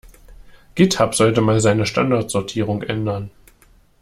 Github sollte mal seine Standardsortierung ändern.